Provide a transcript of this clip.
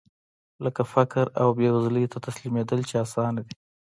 لکه فقر او بېوزلۍ ته تسليمېدل چې اسانه دي.